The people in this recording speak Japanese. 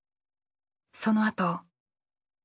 そのあと。